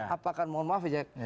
apakah mohon maaf ya